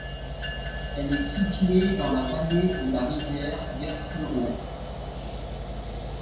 Elle est située dans la vallée de la rivière Gaspereau.